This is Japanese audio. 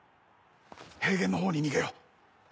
平原のほうに逃げよう。